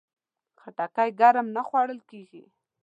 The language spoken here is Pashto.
خټکی ګرم نه خوړل کېږي.